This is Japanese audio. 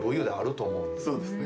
そうですね。